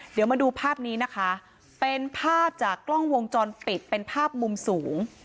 เดี๋ยวมาดูภาพนี้นะคะเป็นภาพจากกล้องวงจรปิดเป็นภาพมุมสูง